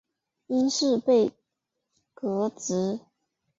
因事被革职。